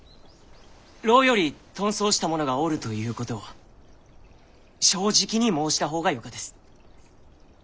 牢より遁走した者がおるということを正直に申した方がよかです。